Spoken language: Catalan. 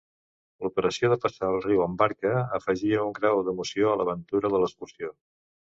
L'operació de passar el riu amb barca afegia un grau d'emoció a l'aventura de l'excursió.